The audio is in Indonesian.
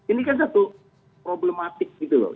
ini kan satu problematik gitu loh